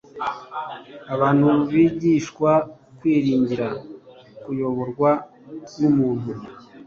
Abantu bigishwa kwiringira kuyoborwa n’umuntu,